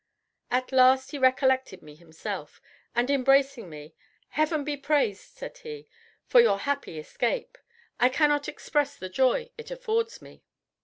At last he recollected me himself, and embracing me, "Heaven be praised," said he, "for your happy escape! I cannot express the joy it affords me.